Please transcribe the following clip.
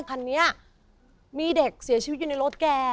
คันนี้มีเด็กเสียชีวิตอยู่ในรถแก